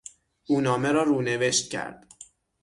او نامه را رونوشت کرد.